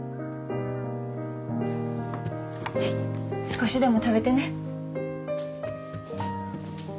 少しでも食べてね。